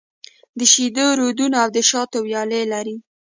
د شېدو رودونه او د شاتو ويالې لري.